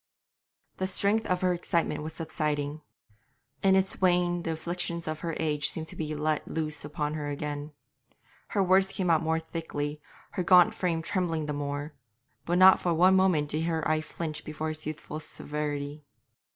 The strength of her excitement was subsiding. In its wane the afflictions of her age seemed to be let loose upon her again. Her words came more thickly, her gaunt frame trembled the more, but not for one moment did her eye flinch before his youthful severity.